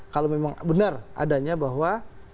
kalau memang benar adanya bahwa